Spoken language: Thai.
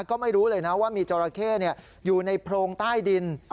ก็ไม่รู้เลยนะว่ามีจราเข้อยู่ในโพรงใต้ดิน